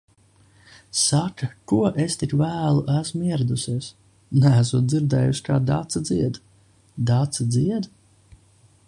Saka, ko es tik vēlu esmu ieradusies. Neesot dzirdējusi kā Dace dzied. Dace dzied?